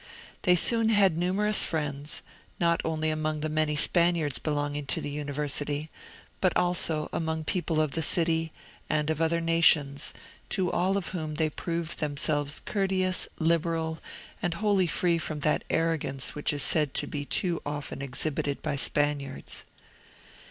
They soon had numerous friends, not only among the many Spaniards belonging to the university, but also among people of the city, and of other nations, to all of whom they proved themselves courteous, liberal, and wholly free from that arrogance which is said to be too often exhibited by Spaniards.